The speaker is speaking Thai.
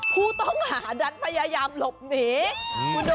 คู่ต้องหาดันพยายามหลบเหมือนกัน